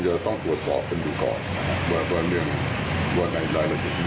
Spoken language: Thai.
จะต้องปวดสอบเป็นดูก่อนว่าว่าในวันไหนได้แล้วจะจริง